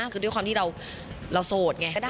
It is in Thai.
คือด้วยความที่เราโสดไงก็ได้